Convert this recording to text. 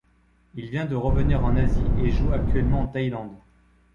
Il vient de revenir en Asie et joue actuellement en Thaïlande.